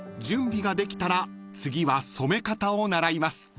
［準備ができたら次は染め方を習います］